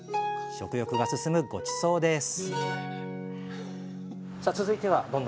食欲が進むごちそうです